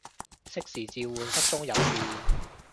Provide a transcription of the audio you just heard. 適時召喚失蹤人士